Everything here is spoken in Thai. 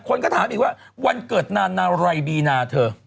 คนก็ถามอีกว่าวันเกิดนานาไรบีนาเธอ